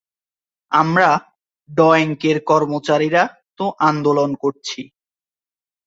আমরা ডয়েঙ্কের কর্মচারীরা তো আন্দোলন করছি।